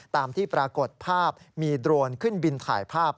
ตามที่ปรากฏภาพมีโดรนขึ้นบินถ่ายภาพ